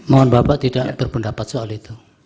mohon bapak tidak berpendapat soal itu